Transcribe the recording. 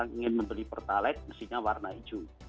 kalau yang membeli pertalite mestinya warna hijau